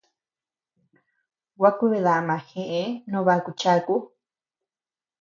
Gua kuedama jeʼe no baku chaku.